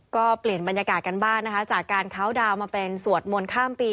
ก็เปลี่ยนบรรยากาศกันบ้างนะคะจากการเคาน์ดาวน์มาเป็นสวดมนต์ข้ามปี